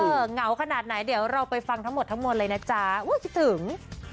เหงาขนาดไหนเดี๋ยวเราไปฟังทั้งหมดทั้งมวลเลยนะจ๊ะอุ้ยคิดถึง